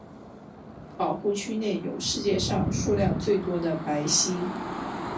保护区内有世界上数量最多的白犀。